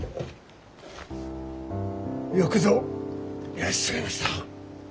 よくぞいらっしゃいました。